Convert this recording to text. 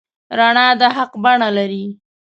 رڼا د حق بڼه لري.